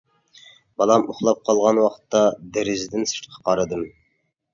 بالام ئۇخلاپ قالغان ۋاقىتتا، دېرىزىدىن سىرتقا قارىدىم.